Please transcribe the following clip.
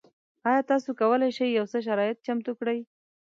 ایا تاسو کولی شئ یو څه شرایط چمتو کړئ؟